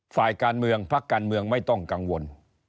ฝ่ายการเมืองพักการเมืองไม่ต้องกังวล